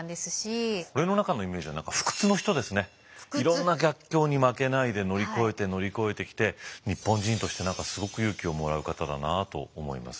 いろんな逆境に負けないで乗り越えて乗り越えてきて日本人として何かすごく勇気をもらう方だなと思いますね。